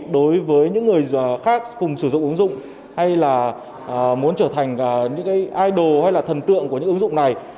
đối với những người khác cùng sử dụng ứng dụng hay là muốn trở thành những idol hay là thần tượng của những ứng dụng này